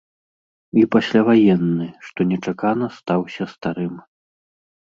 І пасляваенны, што нечакана стаўся старым.